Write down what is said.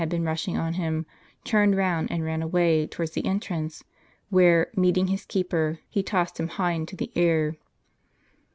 been rushing on him, turned round and ran away towards the entrance, where, meeting his keeper, lie tossed him high into the air.